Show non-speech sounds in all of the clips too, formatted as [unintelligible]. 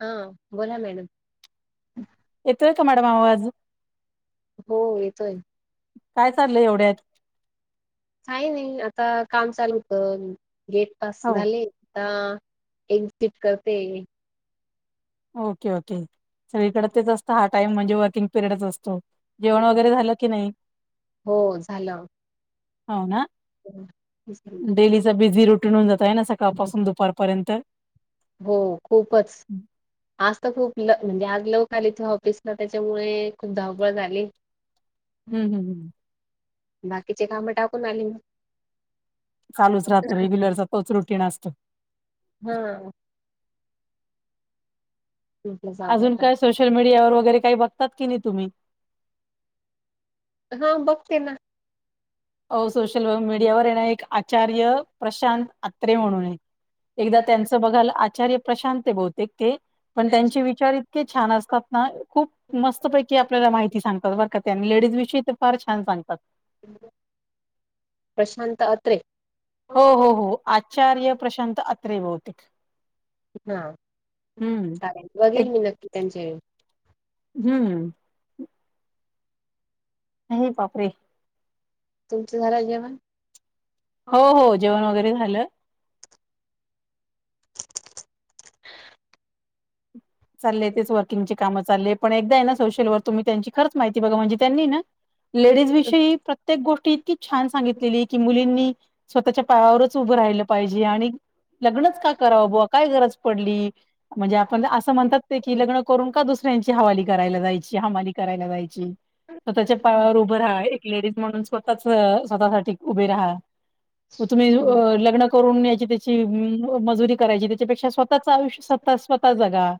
हा बोला मॅडम एत का मॅडम आवाज हो येतोय काय चाललंय एवढ्यात काही नाही आता काम चालूत गेट पास हो झाले आ एक्झिट करते ओके ओके सगळीकडे तेच असतं हा टाइम म्हणजे वर्किंग पिरियडच असतो जेवण वगैरे झालं की नाही हो झालं हो ना डडेली बिझ ून जात आहे ना सकाळपसून दुपारपर्यंत हो खूपच हम्म आज तर खूप ल म्हणजे आज लोक आली इथ ऑफिसला त्याच्यामुळे खूप धावपळ झाली हम् हम् हम् बाकीचे काम टाकून आली म चालूच राहं रेग्युलर तोच रुटीन असतं हा ह अजून काय सोशल मीडिया वगैरे काही बघात की नाही तुम्ही हा बघतेना अ सोशल मीडियावर येणार एक आचार्य प्रशांत आत्रे म्हणून एक एकदा त्यांचं बघाल आचार्य प्रशांत बहुतेक ते पण त्यांचे विचार इतके छान असतात ना खूप मस्तपैकी आपल्याला माहिती सांगतात बरक ते आणि लेडीज विषयी ते फार छान सांगतात प्रशांत अते हो हो हो आचार्य प्रशांत अते होते हा हम्म चालेल बघेल एक मी नक्की त्यांच्या हम्म नाही बापरीे तुमच्या झाराात जेवण हो हो जेवण वगैरे झालं. चालय तेच वर्किंगची कामं चाले पण एकदा आहे ना सोशल वर् तुम्ही त्यांची खंच माहिती बघा म्हणज त्यांनी ना लेडीज विषयी. प्र्येक गोष्टी इतकी छान सांगितलेली की मुलींनी स्वतःच्या पायावरच उभं राहिलं पाहिजे आणि लग्नच का कराव बं काय गरज पडली म्हणजे आपण म्हणतात ते की लग्न करून का दुसऱ्यांची हवाली करायला जायची हमाली करायला जायची. स्वतःच्या पायावर उभं राहा एक लेडीज म्हणून स्वतःच स्वतःसाठी उभे राहा तुम्ही लग्न करून याची त्याची मजुरी करायची. त्याच्यापेक्षा स्वतःचं आयुष्य स्वतः जगा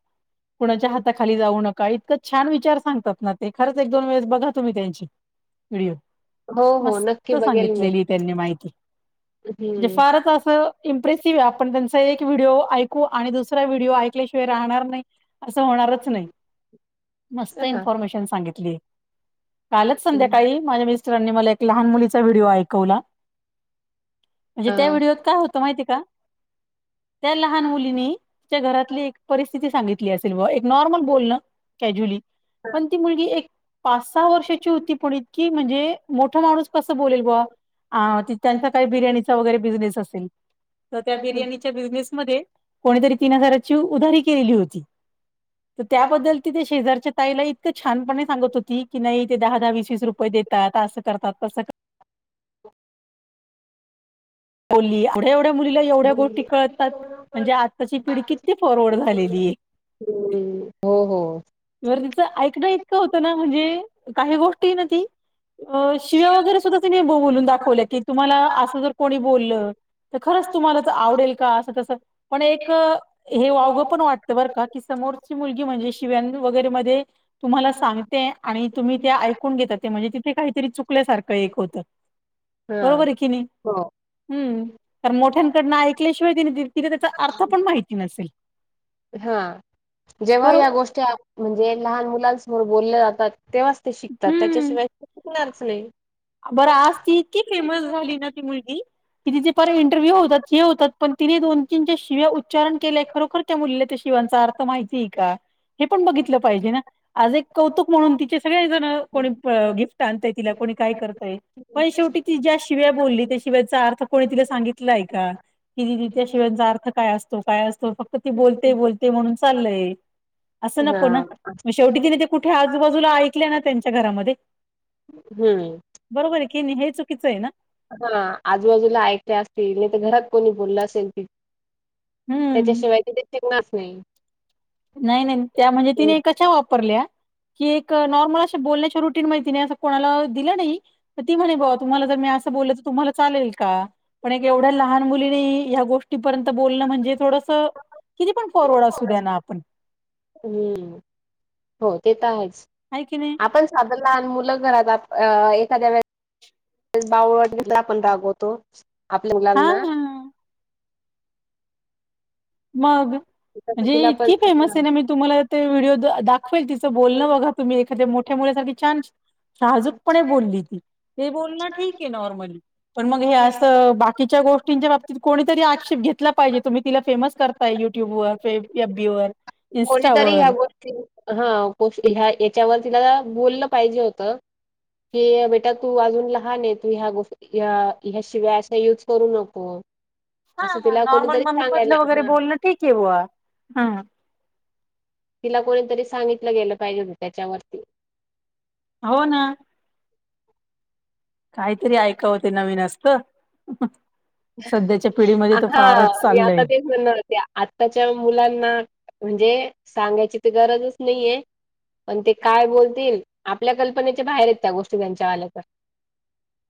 कुनाच्या हाताखाली. जाऊ नका इतक छान विचार सांगतात ना ते खरंच एक दोन वेळेस बघा तुम्ही त्यांची व्हिडीओ. हो हो मस्त नक्की बघेल मी सांगितलेली त्यांनी माहिती म्हणजे हम्म. फारच असं इम्प्रेसिव्ह आपण त्यांचा एक व्हिडिओ ऐकू आणि दुसरा व्हिडिओ ऐकल्याशिवाय राहणार नाही. अस होणारच नाही मस्त हा. इन्फॉर्मेशन सांगितली. कालच संध्याकाळी माझ्या मिस्टरांनी मला एक लहान मुलीचा व्हिडिओ ऐकवला म्हणजे त्या व्हिडिओ. हम्म काय होत माहिती का त्या लहान मुलीनी घरातली परिस्थिती सांगित ली असेल बॅ नॉर्मल बोलण कॅजुली पण ती मुलगी एक पाच सहा वर्षाची होती पणी इत की म्हणजे मोठ माणूस कसं बोलेल बा अ त्यांचा काही बिर्याणीचा वगैरे बिझनेस असेल तर त्या बिर्याणीच्या बिझनेसमध्ये कोणीतरी तीन हजाराची उधारी केलेली होती. तर त्याबद्दल ती ते शेजारच्या ताईला इतकं छानपणे सांगत होती की नाही ते दहा दहा वीस वीस रुपये देत. असं करतात तस करतात. बोलली एवढ्या एवढ्या मुलीला एवढ्या गोष्टी कळतात. म्हणजे आत्ताची पिढी किती फॉरवर्ड झालेली आहे. ह् हो हो. तिचं ऐकणं इतकं होतं ना म्हणजे काही गोष्ट ना ती अ शिव्या वगैरे सुद्धा तिनी बोलून दाखवलं की तुम्हाला असं जर कोणी बोललं. तर खरंच तुम्हाला तर आवडेल का असं तस पण एक हे वावग पण वाटतं बरं का की समोरची मुलगी म्हणजे शिव्यां वगैरे मध्ये तुम्हाला सांगते आणि तुम्ही ते ऐकून घेता ते म्हणजे काहीतरी चुकल्यासारखं एक होतं. हा हो. हम् तर मोठ्यांकडनं ऐकल्याशिवाय तिने तिला त्याचा अर्थ पण माहिती नसेल हा जेव्हा बरोबर या गोष्टी म्हणजे लहान मुलांसमोर बोलले जातात तेव्हाच ते शिकतात हम्म त्याच्याशिवाय शिकणारच नाही. बरं आज ती इतकी फेमस झाली ना ती मुलगी. कि तिचे पार इंटरव्ह्यू होतात हे होतात पण तिने दोन तीनच्या शिव्या उच्चार केलंय खरोखर- त्या मुलीला त्या शिवांचा अर्थ माहितीय का हे पण बघितलं पाहिजे ना. आज एक कौतुक म्हणून तिचे सगळे जण कोणी गिफ्ट आणत तिला को काही- य पण शेवटी ती ज्या शिवाय बोलली त्याशिवायचा अर्थ कोणी तिला सांगितलाय का. किदी त्या शिवायचा अर्थ काय असतो काय असतो फक्त ती बोलते बोलते म्हणून चाललय. असं नको ना हा म शेवटी तिने ते कुठे आजूबाजूला ऐकले ना त्यांच्या घरामध्ये हम्म. बरोबर आहे की नाही हे चुकीचं आहे ना हा आजूबाजूला ऐकले असतील नाही तर घरात कोणी बोललं असेल. हम्म त्याच्याशिवाय ति ते शिकणारच नाही. नाही नाही त्या म्हणजे तिने कशा अशा वापरल्या की एक नॉर्मल असे बोलण्याच्या रू. कठी माहिती कोणाला दिलं नाही तर ती म्हणे बा तुम्हाला जर मी असं बोललं तर तुम्हाला चालेल का. पण एक एवढ्या लहान मुलीने ह्या गोष्टी पर्यंत बोलण म्हणजे थोडस किती पण फॉरवर्ड असू द्या ना आपण. हम्म हो ते तर आहेच ऐकिले आपण साध लहान मुलं घरात एखाद्या वेळे ते बावळवाडला आपण रागवतो आपल्या हा मुलांना मग तसं म्हणजे तिला पण इतकी फेमस हां. आहे ना मी तुम्हाला व्हिडिओ दाखवेल तिचं बोलणं बघा तुम्ही एखा्या मोठ्या मुसाठी छान शजूकपणे बोलली ती ते बोलणं ठीक आहे नॉर्मली पण मग हे असं बाकीच्या गोष्टींच्या बाबतीत कोणीतरी आक्षेप घेतला पाहिजे तुम्ही तिला फेमस करताय युट्यूब वर फ ए बी वर इंस्टावरर हा याच्यावर तिला बोललं पाहिजे होतं कि बेटा तू अजून लहान आहे तु ह्या गोष्टी या ह्याशिवाय असा युज करू नको हा असं ह तिला नॉर्मल कोणीतरी ममधन सांगायला वगैरे हां, बोलणं ठीक आहे ह तिला कोणीतरी सांगितलं गेलं पाहिजे त्याच्यावरती हो ना काहीतरी ऐकावते नवीन असत सध्याच्या पिढीमध्ये तर फारच चाललय ना ते आत्ताच्या मुलांना म्हणजे सांगायची तर गरजच नाहीये पण ते काय बोलतील आपल्या कल्पनेच्या बाहेर येत त्या गोष्टी त्यांच्या आल्या तर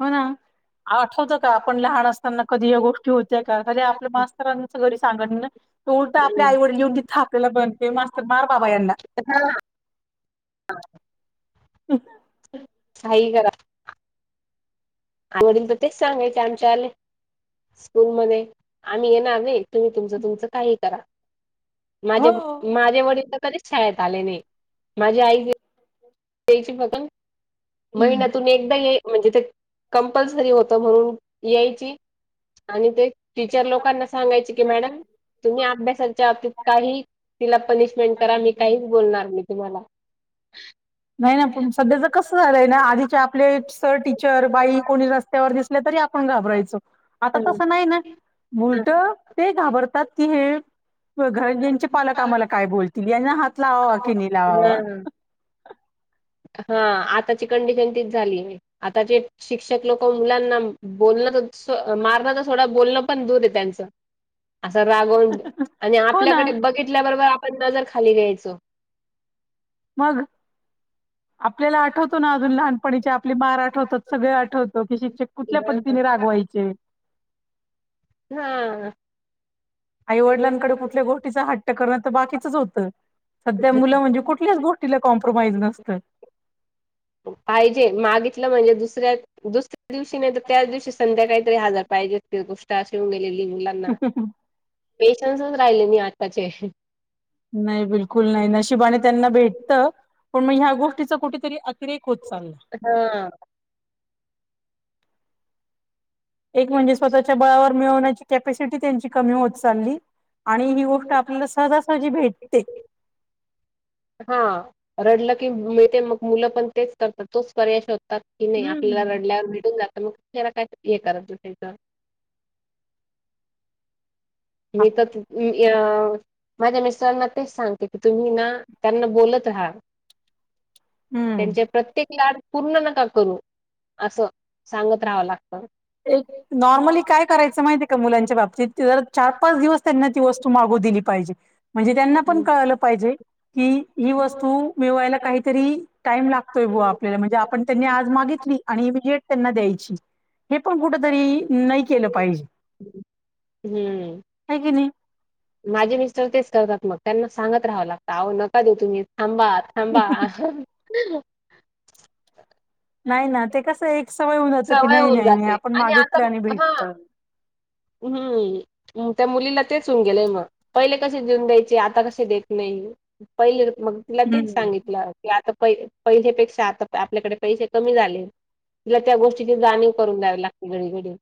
हो ना आठवत का आपण लहान असताना कधी या गोष्टी होत्या का कधी आपल्या मास्तरांच घरी सांगण त उलट आपल्या हं, आई वडील लिहन तिथं आपल्याला बनते मास्तर मार बाबा यांना ह हां काही करा आवडील तर तेच सांगायचे आमच्याले स्कूलमध्येध्ये आम्ही येणार नाही तुम्ही तुमच तुमचं काही करा हो माझ्या माझे वडील तर कधीच शाळेत आले नाही माझी आई द्यायची फगण हम्म महिन्यातून एकदा ये म्हणजे ते कंपल्सरी होत म्हणून यायची आणि ते टीचर लोकांना सांगायचे की मॅडम तुम्ही अभ्यासाच्या बाबतीत काही तिला पनिशमेंट करा मी काहीच बोलणार नाही तुम्हाला नाही ना पण सध्याच कसं झालंय ना आधीचे आपले सर टीचर बाई कोणीस् रस्त्यावर दिसले तरी आपण घाबरायचो आता तसं नाही ना उलट ते घाबरतात की हे घर यांचे पालक आम्हाला काय बोलतील यांना हात लावावा की नाही लावावा हा हा आताची कंडिशन तीच झाली आताची शिक्षक लोक मुलांना बोलण मारण तर थोडं बोलणं पण दूर आहे त्यांचं असं रागवून आणि हो ना आपल्याकडे बघितल्याबरोबर आपण नजर खाली घ्यायचो मग आपल्याला आठवतो ना अजून लहानपणीचे आपली मार आठवतात सगळे आठवतो की शिक्षक कुठल्या पद्धतीने रागवायचे हा आईवडिलांकडे कुठल्या गोष्टीचा हट्ट करण तर बाकीचच होतं सध्या मुलं म्हणजे कुठल्याच गोष्टीला कॉम्प्रोमाइज नसतं पाहिजे मागितलं म्हणजे दुसऱ्या दुसऱ्या दिवशी नाही तर त्याच दिवशी संध्या काहीतरी हजार पाहिजे असतील गोष्ट अेऊनेलेली मु पेशन्सच राहिले मी आताचे नाही बिलकुल नाही नशिबाने त्यांना भेटत पण मग ह्या गोष्टीच कुठेतरी क्रिक होत चालला हा [unintelligible] एक म्हणजे स्वतःच्या बळावर मिळवण्याची कॅपसिटी त्यांची कमी होत चालली आणि ही गोष्ट आपल्याला सहजासहजी भेटते हा रडलं की मिळते मग मुलं पण तेच करतात तोच पर्याय शो तात की नाही आपल्याला हम्म रडल्यावर भेटून जात मग त्याला काय हे करत बसायच. मी आप- त् [unintelligible] य.. माझ्या मिस्टरांना तेच सांगते की तुम्ही ना त्यांना बोलत राहा हम्म त्यांचे प्रत्येक लाड पूर्ण नका करू असं सांगत राहावं लागतं एक नॉर्मली काय करायचं माहिती आहे का मुलांच्या बाबतीत जर चार -पाच दिवस त्यांना ती वस्तू मागू दिली पाहिजे म्हणजे त्यांना पण कळलं पाहिजे कि ही वस्तू मिळवायला काहीतरी टाईम लागतोय बुवा आपल्याला म्हणजे आपण त्यांनी आज मागितली आणि इमिजिएट त्यांना द्यायची हे पण कुठ तरी नाही केलं पाहिजे हम्म. हे की नाही? माझे मिस्टर तेच करतात मग त्यांना सांगत राहावं लागत अहो नका देऊ तुम्ही थांबा थांबा [inaudible] नाही ना ते [unintelligible] कसं एक सवय होऊन जातं की सवय नाही होऊन नाही नाही जाते आपण आणि आता मागितलं मग हा भेटत हम्म त्या मुलीला तेच होऊन गेलंय मग पहिले कसे देऊन द्यायचे आता कसे देत नाही पहिले मग तिला ते हम्म सांगित तल की आता पहिले-पहिलीपेक्षा आता आपल्याकडे पैसे कमी झाले तिला त्या गोष्टीची जाणीव करून द्यावी लागते घडी- घडी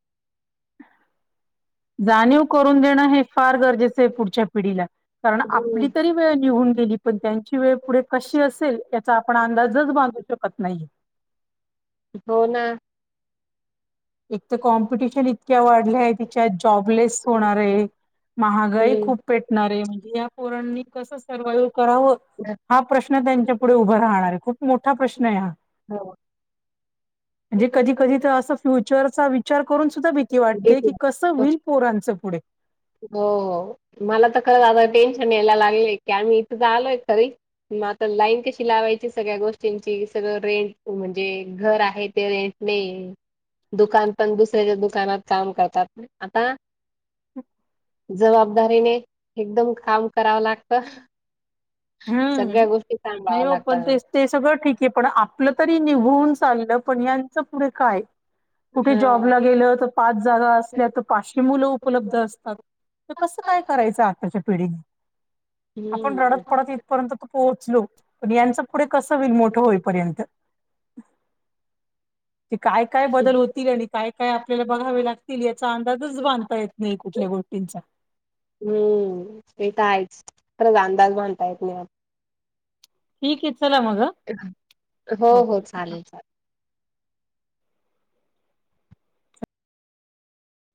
जाणीव करून देणं हे फार गरजेचं आहे पुढच्या पिढीला कारण आपली तरी वेळ निघून गेली पण त्यांची वेळ पुढे कशी असेल याचा आपण अंदाजच बांधू शकतो शकत नाहीये हो ना एक तर कॉम्पिटिशन इतक्या वाढल्याय त्याच्यात जॉबलेस होणार आहे महागाई हम्म. खूप पेटणार आहे म्हणजे या पोरणनी कसं सर्वाइव करावं हा प्रश्न त्यांच्या पुढे उभा राहणार आहे खूप मोठा प्रश्न आहे हा हो. म्हणजे कधी- कधी तर असं फ्युचरचा विचार करून सुद्धा भीती वाटते तेच की ना. कसं होईल पोरांचं पुढे हो -हो मला तर खरं आता टेन्शन यायला लागलेय की आणि मी इथं तर आलोय खरी मग आता लाईन कशी लावायची सगळ्या गोष्टींची सगळं रेंट म्हणजे घर आहे ते रेंट नेय दुकान पण दुसऱ्याच्या दुकानात काम करतात आता ह [inaudible] जबाबदारीने एकदम काम करावं लागतं [inaudible] [inaudible] हम्म. सगळ्या गोष्टी नाही सांभाळाव हो पण लागतात ना ते ते सगळं ठीक आहे पण आपलं तरी निघून चाललं पण यांचं पुढे काय? कुठे जॉबला हां. गेलं तर पाच जागा असल्या तर पाचशे मुलं उपलब्ध असतात तर कसं काय करायचं आत्ताच्या पिढीने हम्म इथं [unintelligible] पर्यंत तर पोहोचलो पण यांच पुढे कसं होईल मोठं होईपर्यंत [inaudible] ते काय- काय बदल होतील आणि काय- काय आपल्याला बघावे लागतील याचा अंदाजच बांधता येत नाही कुठल्या गोष्टींचा हम्म ते तर आहेच खरंच अंदाज बांधता येत नाही आ ठीक आहे चला मग [unintelligible] हो- हो ओके चालेल